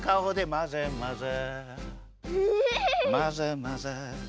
まぜまぜ。